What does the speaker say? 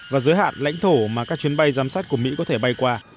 và giới hạn lãnh thổ mà các chuyến bay giám sát của mỹ có thể bay qua